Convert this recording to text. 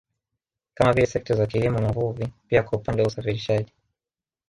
Kama vile sekta za kilimo na uvuvi pia kwa upande wa usafirishaji